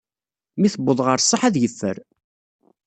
Mi tewweḍ ɣer ṣṣeḥ ad yeffer.